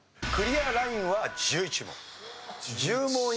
クリアラインは１１問。